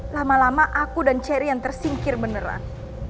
lama lama aku dan cherry yang tersingkir beneran